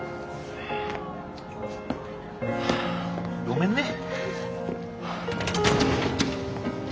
ごめんね。